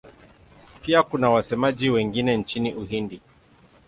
Pia kuna wasemaji wengine nchini Uhindi.